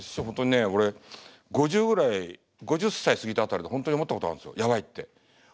本当にね俺５０ぐらい５０歳過ぎた辺りで本当に思ったことあるんすよやばいって。